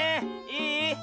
いい？